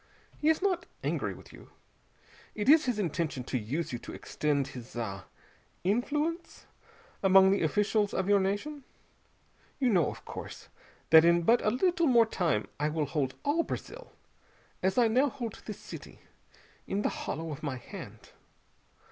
He is not angry with you. It is his intention to use you to extend his ah influence among the officials of your nation. You know, of course, that in but a little more time I will hold all Brazil as I now hold this city in the hollow of my hand.